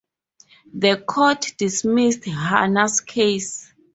The court dismissed Hanna's case.